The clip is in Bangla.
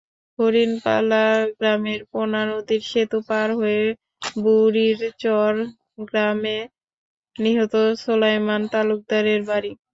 হরিণপালা গ্রামের পোনা নদীর সেতু পার হয়ে বুড়িরচর গ্রামে নিহত সোলায়মান তালুকদারের বাড়ি।